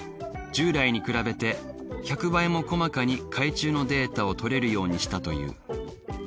従来に比べて１００倍も細かに海中のデータを取れるようにしたという。